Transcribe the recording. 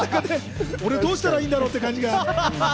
俺どうしたらいいんだろうっていう感じが。